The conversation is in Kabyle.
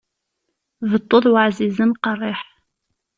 Beṭṭu d waɛzizen, qeṛṛiḥ.